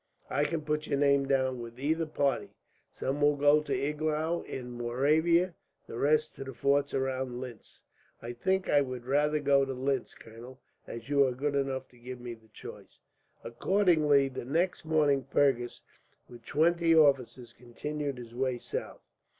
I can put your name down with either party. Some will go to Iglau in Moravia, the rest to the forts round Linz." "I think I would rather go to Linz, colonel, as you are good enough to give me the choice." Accordingly, the next morning Fergus, with twenty officers, continued his way south.